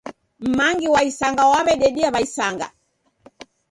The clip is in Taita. M'mangi wa isanga wawededia w'aisanga.